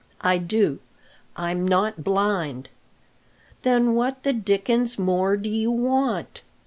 "I do; I'm not blind." "Then what the dickens more do you want?"